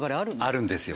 あるんですよ